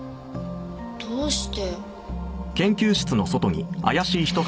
どうして。